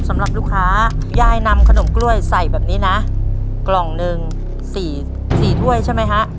สำหรับลูกค้ายายนำขนมกล้วยใส่แบบนี้นะกล่องหนึ่งสี่สี่ถ้วยใช่ไหมฮะ